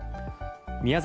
宮崎